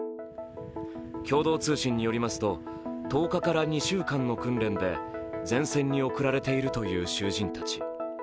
共同通信によりますと、１０日から２週間の訓練で前線に送られているという囚人たち。